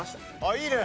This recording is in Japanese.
いいね！